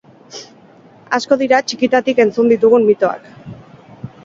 Asko dira txikitatik entzun ditugun mitoak.